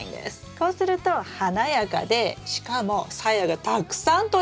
こうすると華やかでしかもサヤがたくさんとれるんです。